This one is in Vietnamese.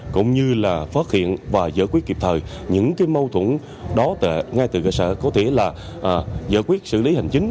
cũng như là phát hiện và giải quyết kịp thời những cái mâu thuẫn đó ngay từ cơ sở có thể là giải quyết xử lý hành chính